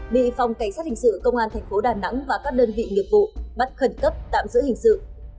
bị phòng cảnh sát hình sự công an thành phố đà nẵng và các đơn vị nghiệp vụ bắt khẩn cấp tạm giữ hình sự